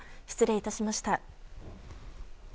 失礼致しました。